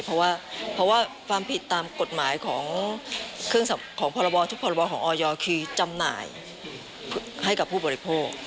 เพราะว่าความผิดตามกฎหมายของพรบทุกพรบของออยคือจำหน่ายให้กับผู้บริโภค